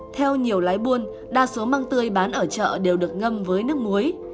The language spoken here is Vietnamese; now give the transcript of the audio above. theo nhiều lái buôn đa số măng tươi bán ở chợ đều được ngâm với nước muối